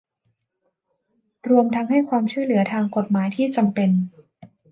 รวมทั้งให้ความช่วยเหลือทางกฎหมายที่จำเป็น